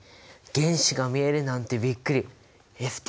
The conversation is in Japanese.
原子が見えるなんてびっくり！